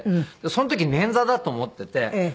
その時捻挫だと思っていて。